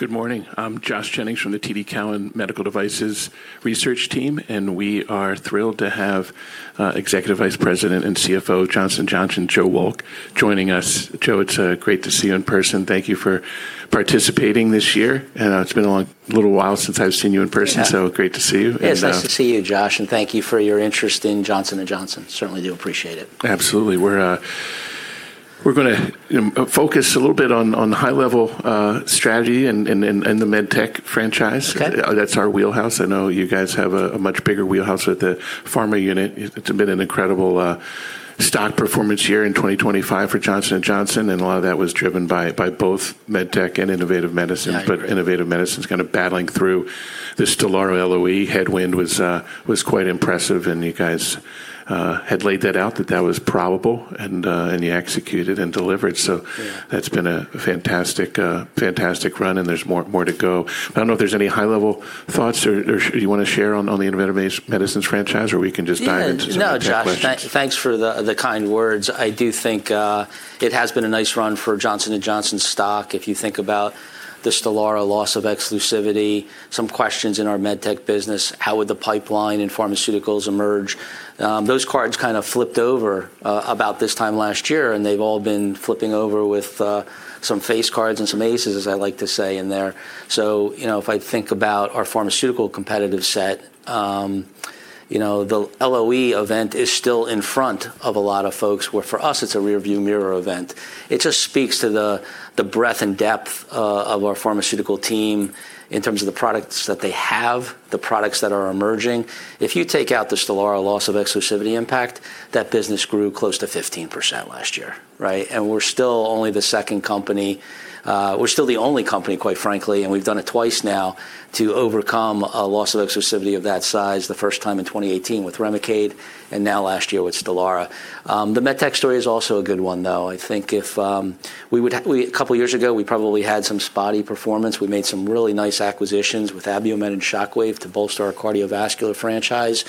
Good morning. I'm Josh Jennings from the TD Cowen Medical Devices research team. We are thrilled to have Executive Vice President and CFO Johnson & Johnson, Joe Wolk, joining us. Joe, it's great to see you in person. Thank you for participating this year. It's been a little while since I've seen you in person. Yeah. great to see you. It's nice to see you, Josh. Thank you for your interest in Johnson & Johnson. Certainly do appreciate it. Absolutely. We're gonna focus a little bit on the high-level strategy and the med tech franchise. Okay. That's our wheelhouse. I know you guys have a much bigger wheelhouse with the pharma unit. It's been an incredible stock performance year in 2025 for Johnson & Johnson, and a lot of that was driven by both med tech and Innovative Medicine. Yeah. Innovative Medicine's kinda battling through this STELARA LOE headwind was quite impressive. You guys had laid that out that that was probable and you executed and delivered. Yeah. that's been a fantastic run. There's more to go. I don't know if there's any high-level thoughts or you wanna share on the Innovative Medicine franchise. We can just dive into some of my questions. No, Josh. Thanks for the kind words. I do think it has been a nice run for Johnson & Johnson stock. If you think about the STELARA loss of exclusivity, some questions in our MedTech business, how would the pipeline and pharmaceuticals emerge? Those cards kind of flipped over about this time last year, they've all been flipping over with some face cards and some aces, as I like to say in there. You know, if I think about our pharmaceutical competitive set, you know, the LOE event is still in front of a lot of folks, where for us it's a rear view mirror event. It just speaks to the breadth and depth of our pharmaceutical team in terms of the products that they have, the products that are emerging. If you take out the STELARA loss of exclusivity impact, that business grew close to 15% last year, right? We're still the only company, quite frankly, and we've done it twice now to overcome a loss of exclusivity of that size, the first time in 2018 with REMICADE, and now last year with STELARA. The MedTech story is also a good one, though. I think if a couple of years ago, we probably had some spotty performance. We made some really nice acquisitions with Abiomed and Shockwave to bolster our cardiovascular franchise.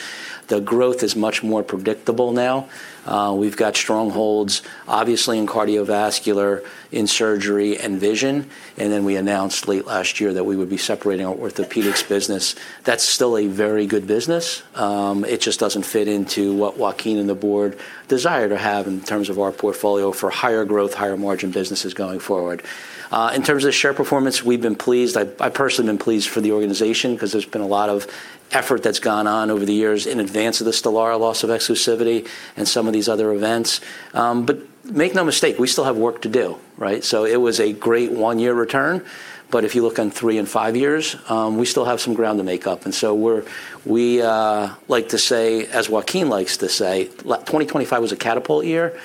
The growth is much more predictable now. We've got strongholds obviously in cardiovascular, in surgery and vision, and then we announced late last year that we would be separating our orthopaedics business. That's still a very good business. It just doesn't fit into what Joaquin and the board desire to have in terms of our portfolio for higher growth, higher margin businesses going forward. In terms of share performance, I personally am pleased for the organization because there's been a lot of effort that's gone on over the years in advance of the STELARA loss of exclusivity and some of these other events. Make no mistake, we still have work to do, right? It was a great one-year return, but if you look on three and five years, we still have some ground to make up. We like to say, as Joaquin likes to say, 2025 was a catapult year.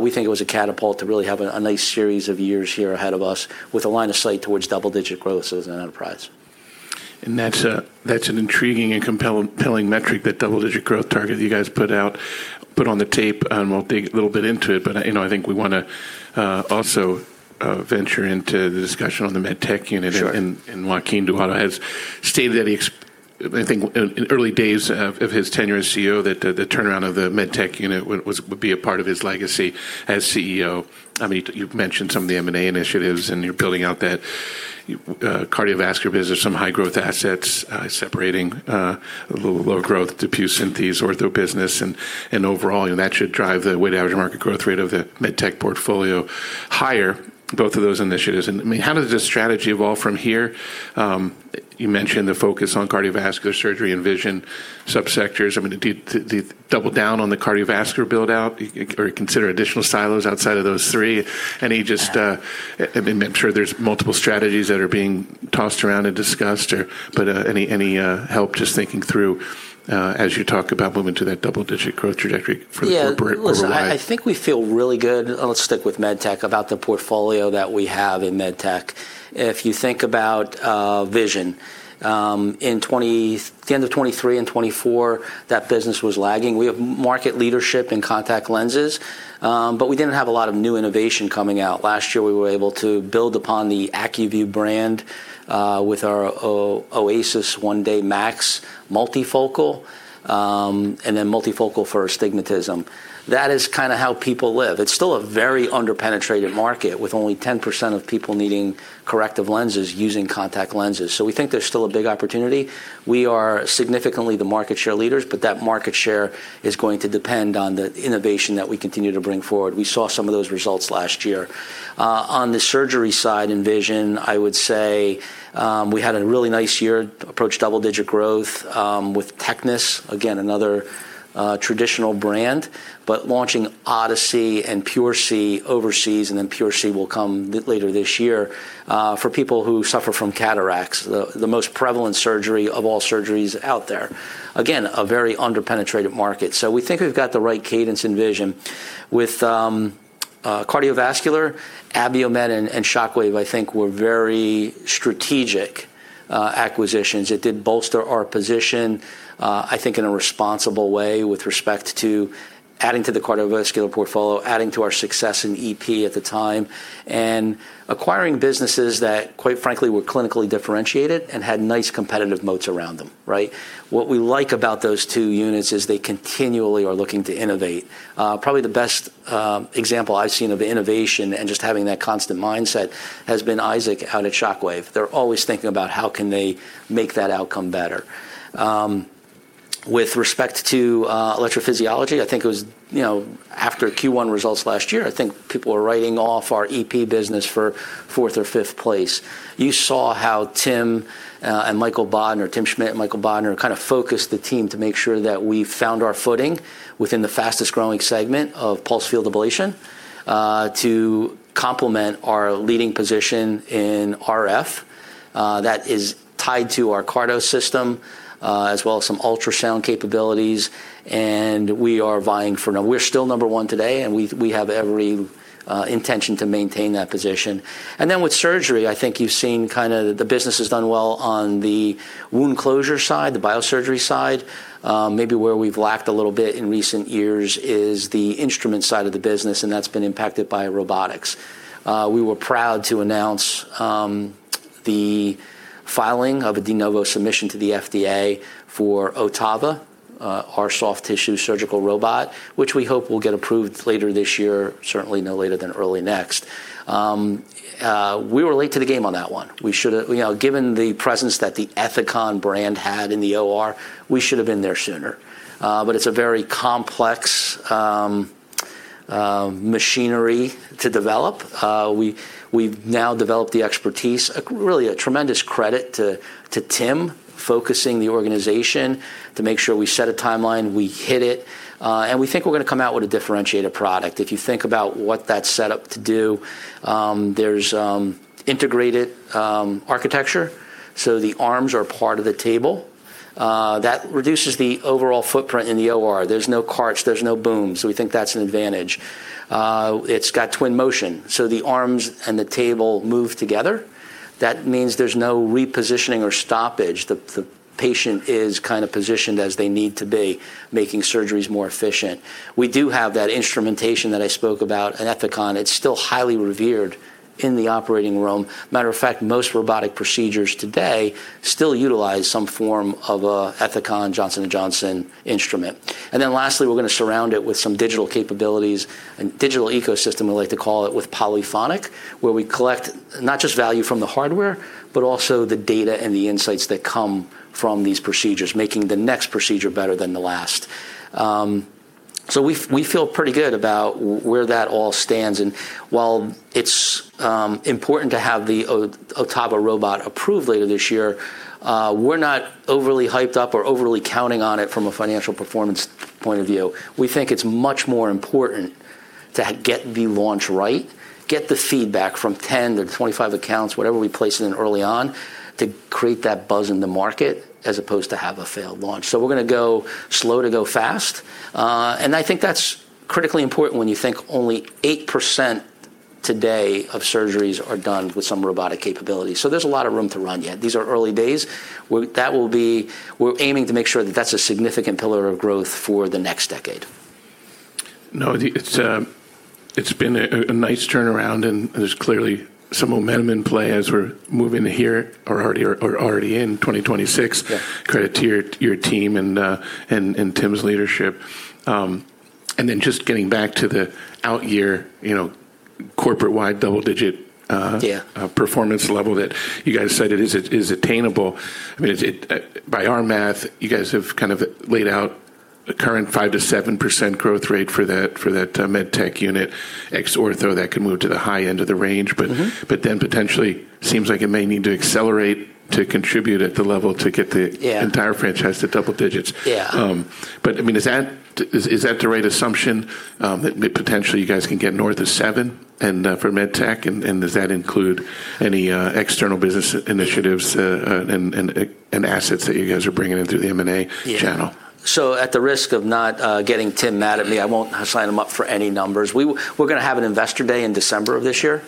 We think it was a catapult to really have a nice series of years here ahead of us with a line of sight towards double-digit growth as an enterprise. That's an intriguing and compelling metric, that double-digit growth target you guys put on the tape. We'll dig a little bit into it. you know, I think we wanna also venture into the discussion on the MedTech unit. Sure. Joaquin Duato has stated that he I think in early days of his tenure as CEO, that the turnaround of the MedTech unit would be a part of his legacy as CEO. I mean, you've mentioned some of the M&A initiatives, and you're building out that cardiovascular business, some high-growth assets, separating lower growth DePuy Synthes ortho business. Overall, you know, that should drive the weighted average market growth rate of the MedTech portfolio higher, both of those initiatives. I mean, how does this strategy evolve from here? You mentioned the focus on cardiovascular surgery and vision subsectors. I mean, do you double down on the cardiovascular build-out or consider additional silos outside of those three? Any just... I mean, I'm sure there's multiple strategies that are being tossed around and discussed or. Any help just thinking through, as you talk about moving to that double-digit growth trajectory for the corporate overall? Listen, I think we feel really good, let's stick with MedTech, about the portfolio that we have in MedTech. If you think about vision, the end of 2023 and 2024, that business was lagging. We have market leadership in contact lenses, but we didn't have a lot of new innovation coming out. Last year, we were able to build upon the ACUVUE brand, with our ACUVUE OASYS MAX 1-Day MULTIFOCAL, and then multifocal for astigmatism. That is kind of how people live. It's still a very under-penetrated market, with only 10% of people needing corrective lenses using contact lenses. We think there's still a big opportunity. We are significantly the market share leaders, but that market share is going to depend on the innovation that we continue to bring forward. We saw some of those results last year. On the surgery side in vision, I would say, we had a really nice year, approached double-digit growth, with TECNIS, again, another traditional brand. Launching Odyssey and PureSee overseas, and then PureC will come later this year, for people who suffer from cataracts, the most prevalent surgery of all surgeries out there. Again, a very under-penetrated market. We think we've got the right cadence in vision. With cardiovascular, Abiomed and Shockwave, I think were very strategic acquisitions. It did bolster our position, I think in a responsible way with respect to adding to the cardiovascular portfolio, adding to our success in EP at the time, and acquiring businesses that, quite frankly, were clinically differentiated and had nice competitive moats around them, right? What we like about those two units is they continually are looking to innovate. probably the best example I've seen of innovation and just having that constant mindset has been Isaac out at Shockwave. They're always thinking about how can they make that outcome better. With respect to electrophysiology, I think it was, you know, after Q1 results last year, I think people were writing off our EP business for fourth or fifth place. You saw how Tim, and Michael Bodner, Tim Schmid and Michael Bodner kind of focused the team to make sure that we found our footing within the fastest-growing segment of Pulsed Field Ablation, to complement our leading position in RF, that is tied to our CARTO system, as well as some ultrasound capabilities. We're still number one today, and we have every intention to maintain that position. With surgery, I think you've seen kinda the business has done well on the wound closure side, the biosurgery side. Maybe where we've lacked a little bit in recent years is the instrument side of the business, and that's been impacted by robotics. We were proud to announce the filing of a De Novo submission to the FDA for OTTAVA, our soft tissue surgical robot, which we hope will get approved later this year, certainly no later than early next. We were late to the game on that one. You know, given the presence that the Ethicon brand had in the OR, we should have been there sooner. It's a very complex machinery to develop. We've now developed the expertise. Really a tremendous credit to Tim focusing the organization to make sure we set a timeline, we hit it, and we think we're gonna come out with a differentiated product. If you think about what that's set up to do, there's integrated architecture, so the arms are part of the table. That reduces the overall footprint in the OR. There's no carts. There's no booms. We think that's an advantage. It's got twin motion. The arms and the table move together. That means there's no repositioning or stoppage. The patient is kind of positioned as they need to be, making surgeries more efficient. We do have that instrumentation that I spoke about at Ethicon. It's still highly revered in the operating room. Matter of fact, most robotic procedures today still utilize some form of a Ethicon Johnson & Johnson instrument. Lastly, we're gonna surround it with some digital capabilities and digital ecosystem, we like to call it, with Polyphony, where we collect not just value from the hardware, but also the data and the insights that come from these procedures, making the next procedure better than the last. We feel pretty good about where that all stands. While it's important to have the OTTAVA robot approved later this year, we're not overly hyped up or overly counting on it from a financial performance point of view. We think it's much more important to get the launch right, get the feedback from 10-25 accounts, whatever we place it in early on, to create that buzz in the market as opposed to have a failed launch. We're gonna go slow to go fast. I think that's critically important when you think only 8% today of surgeries are done with some robotic capability. There's a lot of room to run yet. These are early days. We're aiming to make sure that that's a significant pillar of growth for the next decade. No, the It's been a nice turnaround, and there's clearly some momentum in play as we're moving here or already, or already in 2026. Yeah. Credit to your team and Tim's leadership. Just getting back to the out year, you know, corporate-wide double-digit. Yeah... performance level that you guys said it is attainable. I mean, it. By our math, you guys have kind of laid out a current 5%-7% growth rate for that MedTech unit. Ex Ortho, that can move to the high end of the range. potentially seems like it may need to accelerate to contribute at the level to get. Yeah... entire franchise to double digits. Yeah. I mean, is that the right assumption? That potentially you guys can get north of 7% for MedTech, and does that include any external business initiatives and assets that you guys are bringing in through the M&A channel? At the risk of not getting Tim mad at me, I won't sign him up for any numbers. We're gonna have an investor day in December of this year.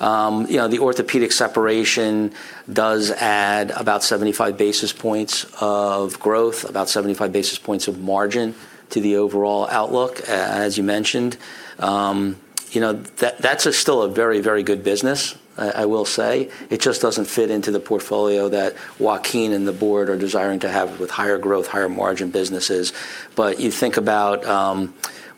You know, the orthopedic separation does add about 75 basis points of growth, about 75 basis points of margin to the overall outlook, as you mentioned. You know, that's still a very good business, I will say. It just doesn't fit into the portfolio that Joaquin and the board are desiring to have with higher growth, higher margin businesses. You think about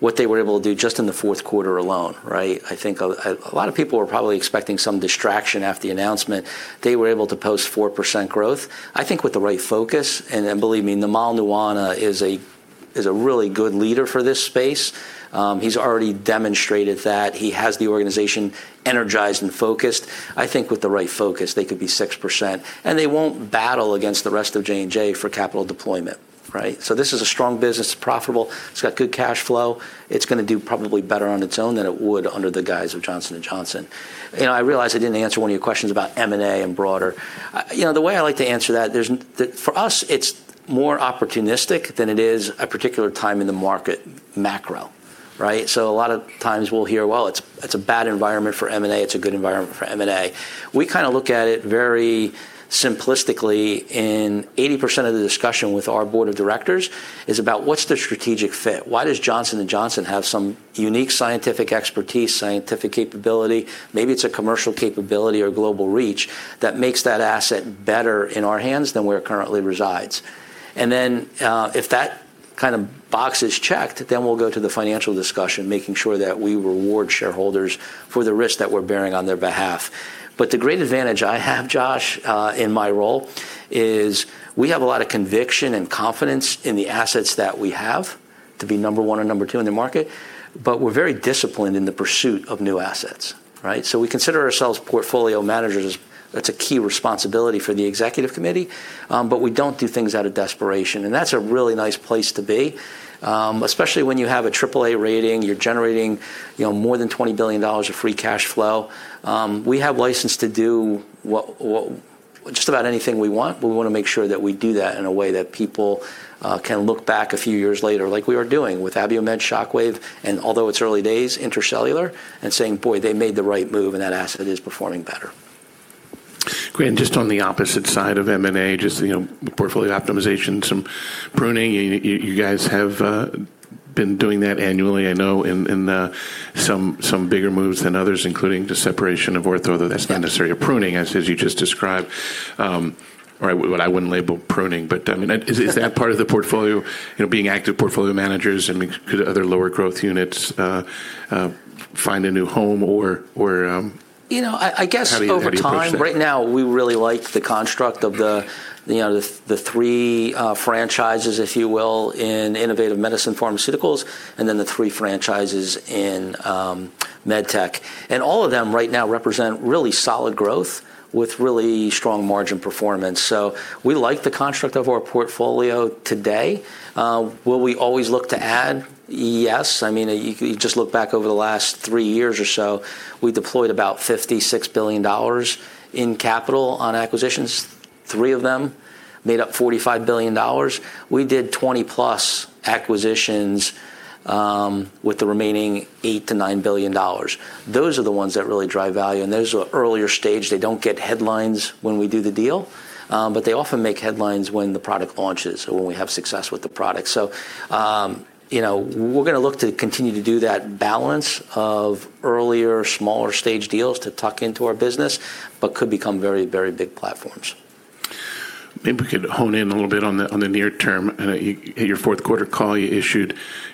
what they were able to do just in the fourth quarter alone, right? I think a lot of people were probably expecting some distraction after the announcement. They were able to post 4% growth, I think with the right focus. Believe me, Nirmal Rewana is a really good leader for this space. He's already demonstrated that. He has the organization energized and focused. I think with the right focus, they could be 6%, and they won't battle against the rest of J&J for capital deployment, right? This is a strong business. It's profitable. It's got good cash flow. It's gonna do probably better on its own than it would under the guise of Johnson & Johnson. You know, I realize I didn't answer one of your questions about M&A and broader. You know, the way I like to answer that, for us, it's more opportunistic than it is a particular time in the market macro, right? A lot of times we'll hear, "Well, it's a bad environment for M&A. It's a good environment for M&A. We kind of look at it very simplistically, 80% of the discussion with our board of directors is about what's the strategic fit. Why does Johnson & Johnson have some unique scientific expertise, scientific capability, maybe it's a commercial capability or global reach, that makes that asset better in our hands than where it currently resides? Then, if that kind of boxes checked, then we'll go to the financial discussion, making sure that we reward shareholders for the risk that we're bearing on their behalf. The great advantage I have, Josh, in my role is we have a lot of conviction and confidence in the assets that we have to be number one or number two in the market, but we're very disciplined in the pursuit of new assets, right? We consider ourselves portfolio managers. That's a key responsibility for the executive committee. We don't do things out of desperation, and that's a really nice place to be. Especially when you have a Triple-A rating, you're generating, you know, more than $20 billion of free cash flow. We have license to do just about anything we want, but we wanna make sure that we do that in a way that people can look back a few years later, like we are doing with Abiomed Shockwave, and although it's early days, Intellia Therapeutics, and saying, "Boy, they made the right move, and that asset is performing better. Great. Just on the opposite side of M&A, just, you know, portfolio optimization, some pruning. You guys have been doing that annually, I know, in some bigger moves than others, including the separation of Ortho. That's not necessarily a pruning, as you just described. All right. What I wouldn't label pruning, but, I mean, is that part of the portfolio, you know, being active portfolio managers and could other lower growth units find a new home or? You know, I guess over time. How do you approach that? Right now, we really like the construct of the, you know, the three franchises, if you will, in Innovative Medicine Pharmaceuticals and then the three franchises in MedTech. All of them right now represent really solid growth with really strong margin performance. We like the construct of our portfolio today. Will we always look to add? Yes. I mean, you could just look back over the last three years or so. We deployed about $56 billion in capital on acquisitions. Three of them made up $45 billion. We did 20-plus acquisitions with the remaining $8 billion-$9 billion. Those are the ones that really drive value, and those are earlier stage. They don't get headlines when we do the deal, but they often make headlines when the product launches or when we have success with the product. You know, we're gonna look to continue to do that balance of earlier, smaller stage deals to tuck into our business, but could become very, very big platforms. Maybe we could hone in a little bit on the near term. At your fourth quarter call, you issued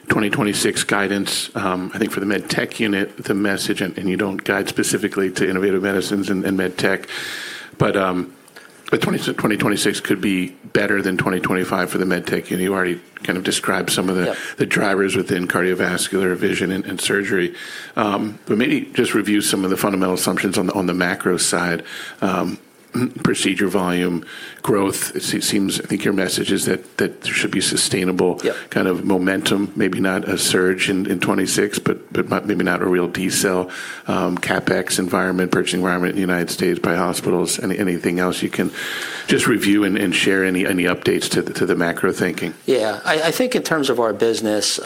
2026 guidance. I think for the MedTech unit, the message, and you don't guide specifically to Innovative Medicine and MedTech, but 2026 could be better than 2025 for the MedTech unit. You already kind of described some of the- Yeah. the drivers within cardiovascular vision and surgery. Maybe just review some of the fundamental assumptions on the, on the macro side. Procedure volume growth, I think your message is that there should be sustainable- Yeah. -kind of momentum, maybe not a surge in 2026, but maybe not a real decel, CapEx environment, purchasing environment in the United States by hospitals. Anything else you can just review and share any updates to the macro thinking? Yeah. I think in terms of our business,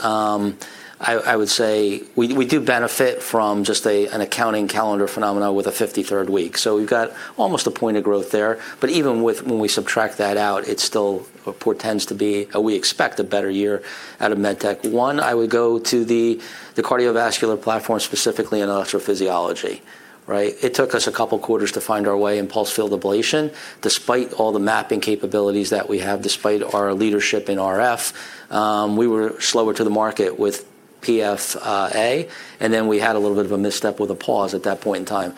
I would say we do benefit from just an accounting calendar phenomena with a 53rd week. We've got almost a point of growth there. Even with when we subtract that out, it still portends to be. We expect a better year out of MedTech. One, I would go to the cardiovascular platform, specifically in electrophysiology, right? It took us a couple quarters to find our way in Pulsed Field Ablation. Despite all the mapping capabilities that we have, despite our leadership in RF, we were slower to the market with PFA, and then we had a little bit of a misstep with a pause at that point in time.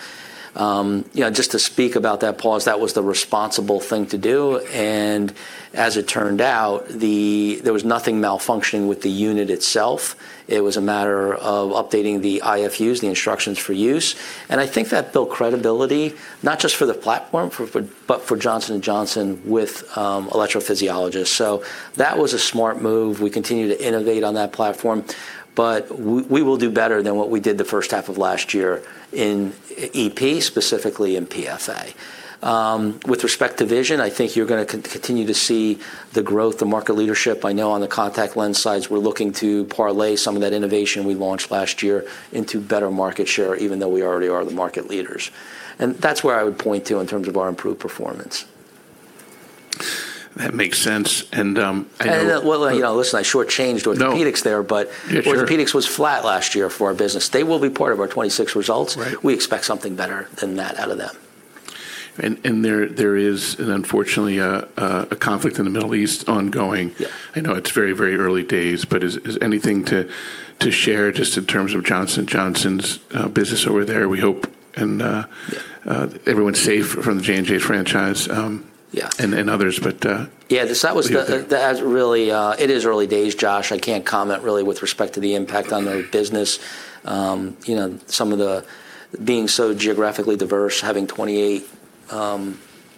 You know, just to speak about that pause, that was the responsible thing to do. As it turned out, there was nothing malfunctioning with the unit itself. It was a matter of updating the IFUs, the instructions for use. I think that built credibility, not just for the platform, but for Johnson & Johnson with electrophysiologists. That was a smart move. We continue to innovate on that platform, but we will do better than what we did the first half of last year in EP, specifically in PFA. With respect to vision, I think you're gonna continue to see the growth, the market leadership. I know on the contact lens sides, we're looking to parlay some of that innovation we launched last year into better market share, even though we already are the market leaders. That's where I would point to in terms of our improved performance. That makes sense. Well, you know, listen, I shortchanged orthopedics there. Yeah, sure. Orthopedics was flat last year for our business. They will be part of our 2026 results. Right. We expect something better than that out of them. There is unfortunately a conflict in the Middle East ongoing. Yeah. I know it's very early days, but is anything to share just in terms of Johnson & Johnson's business over there? We hope and. Yeah. Everyone's safe from the J&J franchise. Yeah. -and others, but- Yeah. That hasn't really... It is early days, Josh. I can't comment really with respect to the impact on the business. you know, some of the being so geographically diverse, having 28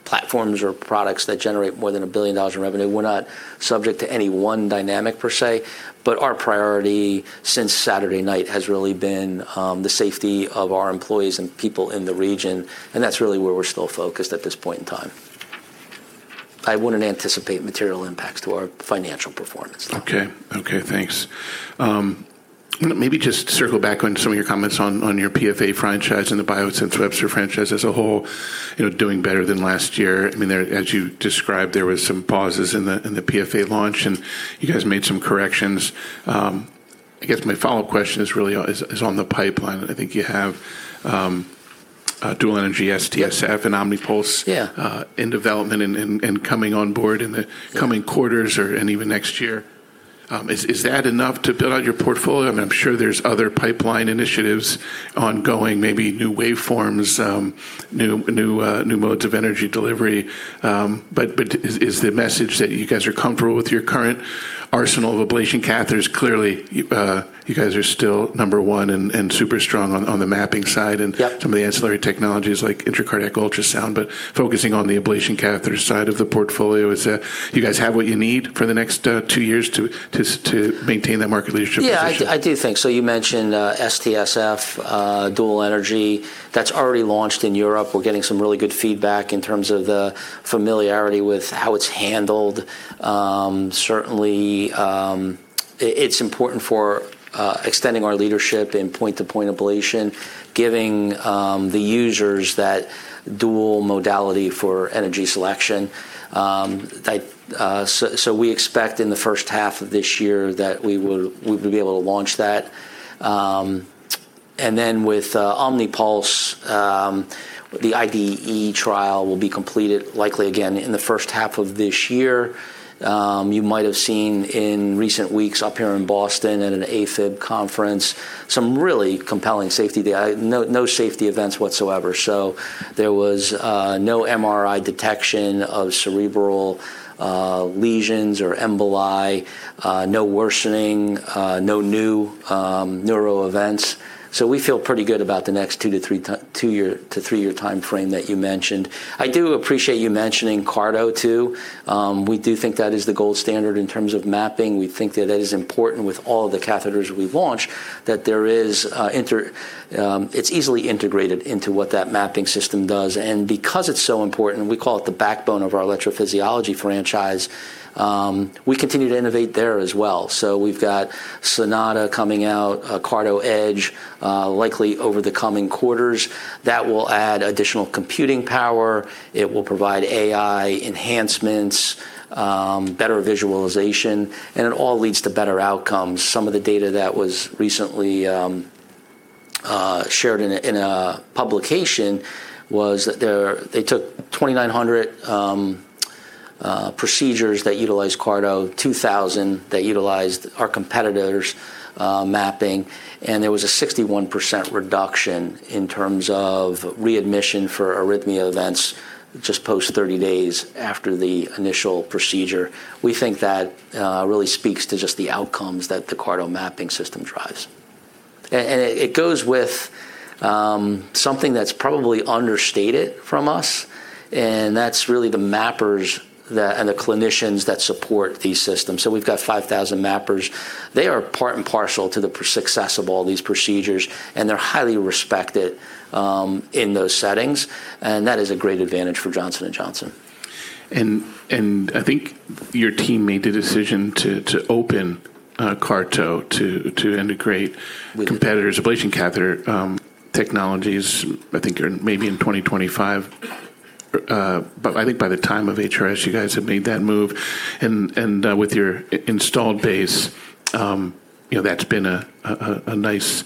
platforms or products that generate more than $1 billion in revenue. We're not subject to any one dynamic per se, but our priority since Saturday night has really been, the safety of our employees and people in the region, and that's really where we're still focused at this point in time. I wouldn't anticipate material impacts to our financial performance. Okay. Okay, thanks. Maybe just to circle back on some of your comments on your PFA franchise and the Biosense Webster franchise as a whole, you know, doing better than last year. I mean, as you described, there was some pauses in the PFA launch, and you guys made some corrections. I guess my follow-up question is really is on the pipeline. I think you have Dual Energy STSF and OMNYPULSE. Yeah ...in development and coming on board in the coming quarters or even next year. Is that enough to build out your portfolio? I mean, I'm sure there's other pipeline initiatives ongoing, maybe new waveforms, new modes of energy delivery. Is the message that you guys are comfortable with your current arsenal of ablation catheters? Clearly, you guys are still number one and super strong on the mapping side... Yeah... and some of the ancillary technologies like intracardiac ultrasound. Focusing on the ablation catheter side of the portfolio, is, you guys have what you need for the next, two years to maintain that market leadership position? Yeah. I do think so. You mentioned STSF dual energy. That's already launched in Europe. We're getting some really good feedback in terms of the familiarity with how it's handled. Certainly, it's important for extending our leadership in point-to-point ablation, giving the users that dual modality for energy selection. We expect in the first half of this year that we will be able to launch that. With OMNYPULSE, the IDE trial will be completed likely again in the first half of this year. You might have seen in recent weeks up here in Boston at an AFib conference, some really compelling safety data. No safety events whatsoever. There was no MRI detection of cerebral lesions or emboli, no worsening, no new neuro events. We feel pretty good about the next two year to three year timeframe that you mentioned. I do appreciate you mentioning CARTO too. We do think that is the gold standard in terms of mapping. We think that that is important with all the catheters we've launched, that there is, it's easily integrated into what that mapping system does. Because it's so important, we call it the backbone of our electrophysiology franchise, we continue to innovate there as well. We've got Sonata coming out, CARTO EDGE, likely over the coming quarters. That will add additional computing power. It will provide AI enhancements, better visualization, and it all leads to better outcomes. Some of the data that was recently shared in a publication was that there. They took 2,900 procedures that utilized CARTO, 2,000 that utilized our competitor's mapping, and there was a 61% reduction in terms of readmission for arrhythmia events just post 30 days after the initial procedure. We think that really speaks to just the outcomes that the CARTO mapping system drives. It goes with something that's probably understated from us, and that's really the mappers and the clinicians that support these systems. We've got 5,000 mappers. They are part and parcel to the success of all these procedures, and they're highly respected in those settings, and that is a great advantage for Johnson & Johnson. I think your team made the decision to open CARTO to integrate. We did.... competitors' ablation catheter technologies I think maybe in 2025. I think by the time of HRS, you guys have made that move and with your installed base, you know, that's been a nice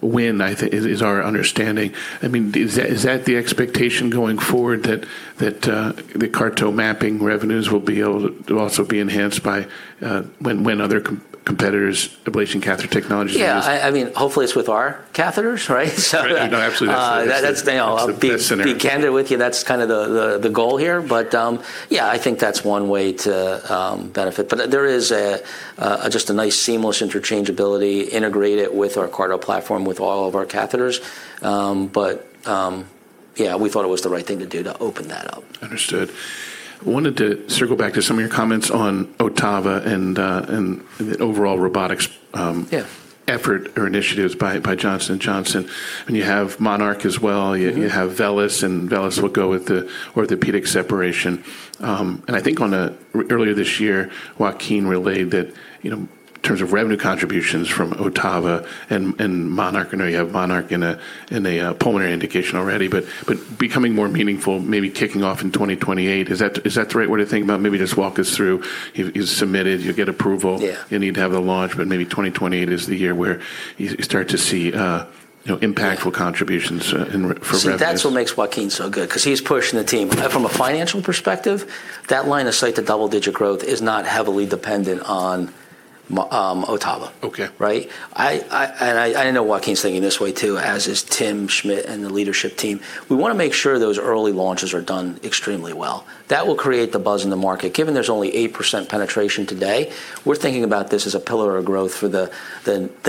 win, I think, is our understanding. I mean, is that the expectation going forward that the CARTO mapping revenues will be able to also be enhanced by when other competitors' ablation catheter technology? Yeah. I mean, hopefully it's with our catheters, right? Right. No, absolutely. That's. That's, you know. That's the best scenario. I'll be candid with you, that's kinda the goal here. Yeah, I think that's one way to benefit. There is a just a nice seamless interchangeability integrated with our CARTO platform with all of our catheters. Yeah, we thought it was the right thing to do to open that up. Understood. Wanted to circle back to some of your comments on OTTAVA and the overall robotics- Yeah... effort or initiatives by Johnson & Johnson. You have MONARCH as well. You have VELYS, and VELYS will go with the orthopedic separation. I think earlier this year, Joaquin relayed that, you know, in terms of revenue contributions from OTTAVA and MONARCH. I know you have MONARCH in a pulmonary indication already, but becoming more meaningful, maybe kicking off in 2028. Is that the right way to think about it? Maybe just walk us through. You submitted, you get approval. Yeah. You need to have the launch, but maybe 2028 is the year where you start to see, you know, impactful contributions for revenues. See, that's what makes Joaquin so good, 'cause he's pushing the team. From a financial perspective, that line of sight to double-digit growth is not heavily dependent on OTTAVA. Okay. Right? I know Joaquin's thinking this way too, as is Tim Schmid and the leadership team. We wanna make sure those early launches are done extremely well. That will create the buzz in the market. Given there's only 8% penetration today, we're thinking about this as a pillar of growth for the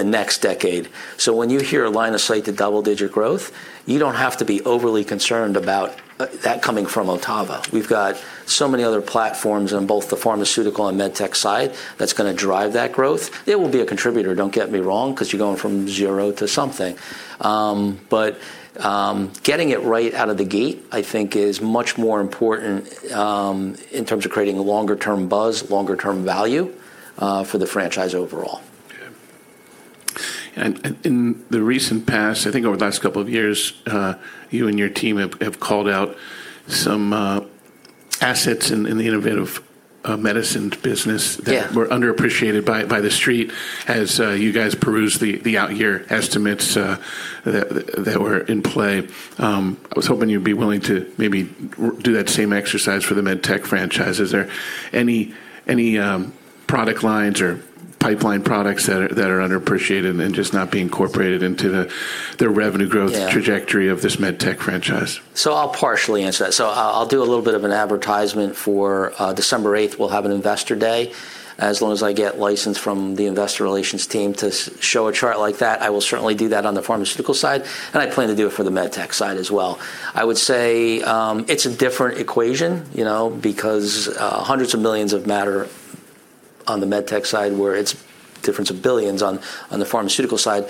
next decade. When you hear a line of sight to double-digit growth, you don't have to be overly concerned about that coming from OTTAVA. We've got so many other platforms on both the pharmaceutical and MedTech side that's gonna drive that growth. It will be a contributor, don't get me wrong, 'cause you're going from zero to something. Getting it right out of the gate, I think is much more important in terms of creating a longer term buzz, longer term value for the franchise overall. Yeah. In the recent past, I think over the last couple of years, you and your team have called out some Assets in the Innovative Medicine business. Yeah... that were underappreciated by the Street as you guys peruse the out year estimates that were in play. I was hoping you'd be willing to maybe do that same exercise for the MedTech franchises. Are any product lines or pipeline products that are underappreciated and just not being incorporated into the revenue growth... Yeah trajectory of this MedTech franchise? I'll partially answer that. I'll do a little bit of an advertisement for December 8th, we'll have an investor day. As long as I get license from the investor relations team to show a chart like that, I will certainly do that on the pharmaceutical side, and I plan to do it for the MedTech side as well. I would say, it's a different equation, you know, because hundreds of millions of matter on the MedTech side, where it's difference of billions on the pharmaceutical side.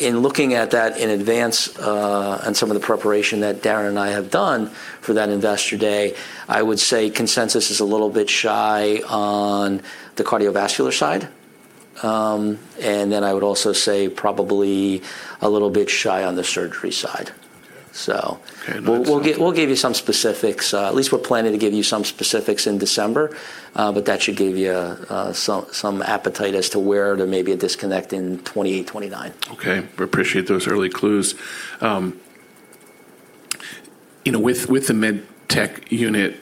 In looking at that in advance, and some of the preparation that Darren and I have done for that investor day, I would say consensus is a little bit shy on the cardiovascular side. I would also say probably a little bit shy on the surgery side. Okay. So- Okay. We'll give you some specifics. At least we're planning to give you some specifics in December, but that should give you appetite as to where there may be a disconnect in 2028, 2029. Okay. We appreciate those early clues. you know, with the MedTech unit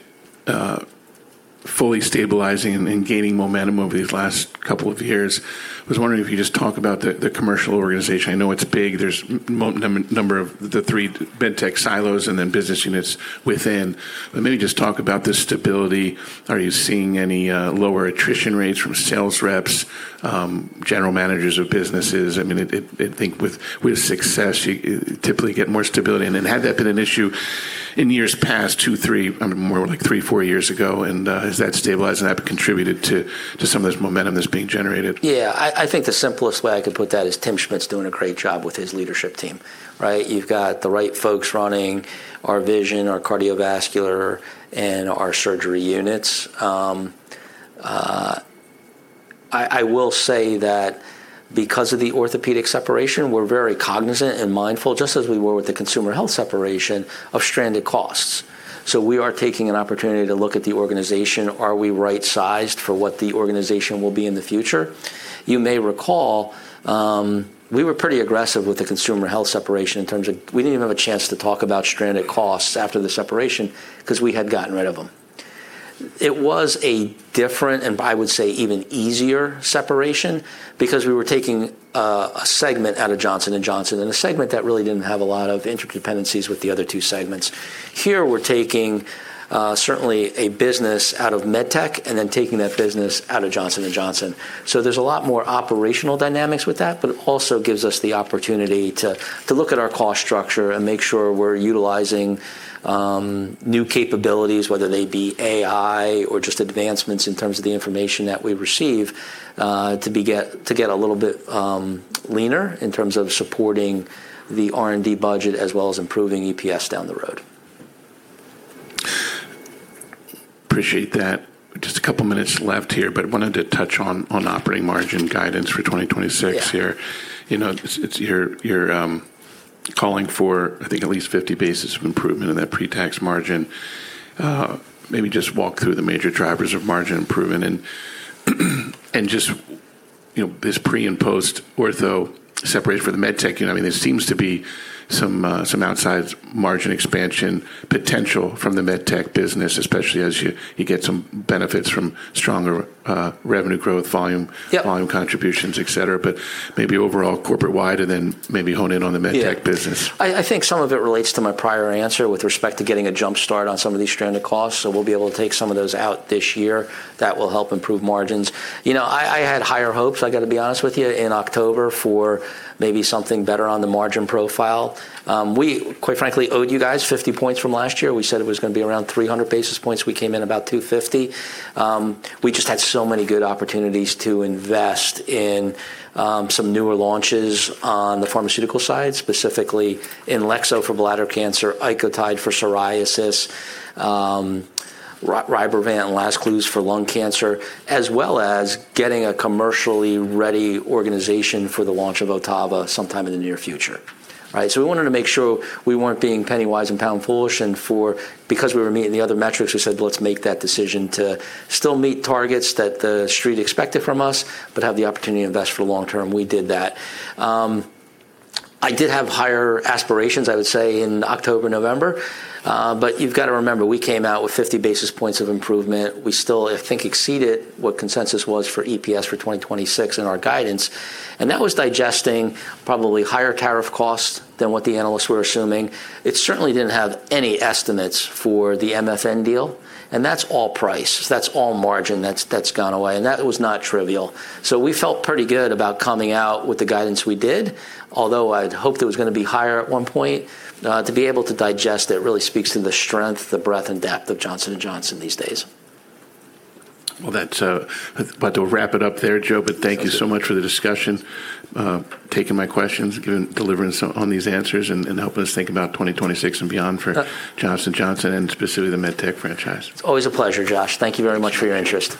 fully stabilizing and gaining momentum over these last couple of years, I was wondering if you could just talk about the commercial organization. I know it's big. There's number of the three MedTech silos and then business units within. Maybe just talk about the stability. Are you seeing any lower attrition rates from sales reps, general managers of businesses? I mean, I think with success you typically get more stability. Had that been an issue in years past, two, three, I mean, more like three, four years ago, and has that stabilized and have it contributed to some of this momentum that's being generated? I think the simplest way I could put that is Tim Schmid doing a great job with his leadership team, right? You've got the right folks running our vision, our cardiovascular, and our surgery units. I will say that because of the orthopedic separation, we're very cognizant and mindful, just as we were with the consumer health separation of stranded costs. We are taking an opportunity to look at the organization. Are we right-sized for what the organization will be in the future? You may recall, we were pretty aggressive with the consumer health separation. We didn't even have a chance to talk about stranded costs after the separation because we had gotten rid of them. It was a different, and I would say even easier separation because we were taking a segment out of Johnson & Johnson and a segment that really didn't have a lot of interdependencies with the other two segments. Here, we're taking certainly a business out of MedTech and then taking that business out of Johnson & Johnson. There's a lot more operational dynamics with that, but it also gives us the opportunity to look at our cost structure and make sure we're utilizing new capabilities, whether they be AI or just advancements in terms of the information that we receive, to get a little bit leaner in terms of supporting the R&D budget as well as improving EPS down the road. Appreciate that. Just a couple of minutes left here. Wanted to touch on operating margin guidance for 2026 here. Yeah. You know, it's, You're, calling for, I think, at least 50 basis of improvement in that pre-tax margin. Maybe just walk through the major drivers of margin improvement and just, you know, this pre and post ortho separation for the MedTech. You know, I mean, there seems to be some outsized margin expansion potential from the MedTech business, especially as you get some benefits from stronger revenue growth volume... Yep... volume contributions, etcetera. Maybe overall corporate-wide and then maybe hone in on the MedTech business. I think some of it relates to my prior answer with respect to getting a jump-start on some of these stranded costs. We'll be able to take some of those out this year. That will help improve margins. You know, I had higher hopes, I gotta be honest with you, in October for maybe something better on the margin profile. We, quite frankly, owed you guys 50 points from last year. We said it was gonna be around 300 basis points. We came in about 250. We just had so many good opportunities to invest in some newer launches on the pharmaceutical side, specifically Balversa for bladder cancer, Tremfya for psoriasis, Rybrevant and lazertinib for lung cancer, as well as getting a commercially ready organization for the launch of OTTAVA sometime in the near future, right? We wanted to make sure we weren't being penny-wise and pound-foolish because we were meeting the other metrics, we said, "Let's make that decision to still meet targets that the Street expected from us, but have the opportunity to invest for the long term." We did that. I did have higher aspirations, I would say, in October, November. You've got to remember, we came out with 50 basis points of improvement. We still, I think, exceeded what consensus was for EPS for 2026 in our guidance. That was digesting probably higher tariff costs than what the analysts were assuming. It certainly didn't have any estimates for the MFN deal, and that's all price. That's all margin that's gone away, and that was not trivial. We felt pretty good about coming out with the guidance we did. Although I'd hoped it was gonna be higher at one point, to be able to digest it really speaks to the strength, the breadth and depth of Johnson & Johnson these days. Well, that's About to wrap it up there, Joe. Thank you so much for the discussion, taking my questions, delivering some on these answers. Helping us think about 2026 and beyond for Johnson & Johnson and specifically the MedTech franchise. It's always a pleasure, Josh. Thank you very much for your interest.